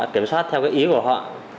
kiểm soát theo ý của họ